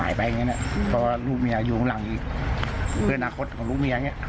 อีกเพื่อนนาคตของลูกเมียอย่างเนี้ยอืม